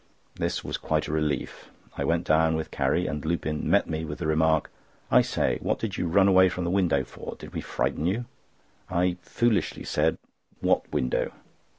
This was quite a relief. I went down with Carrie, and Lupin met me with the remark: "I say, what did you run away from the window for? Did we frighten you?" I foolishly said: "What window?"